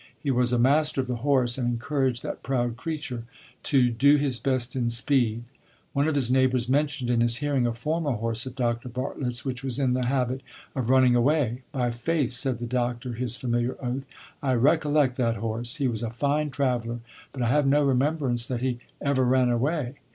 He was a master of the horse, and encouraged that proud creature to do his best in speed. One of his neighbors mentioned in his hearing a former horse of Dr. Bartlett's, which was in the habit of running away. "By faith!" said the doctor (his familiar oath), "I recollect that horse; he was a fine traveler, but I have no remembrance that he ever ran away."